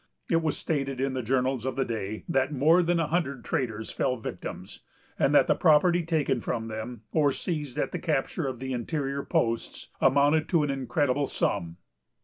It was stated in the journals of the day, that more than a hundred traders fell victims, and that the property taken from them, or seized at the capture of the interior posts, amounted to an incredible sum.